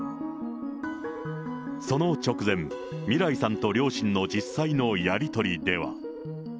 その直前、みらいさんと両親の実際のやり取りでは。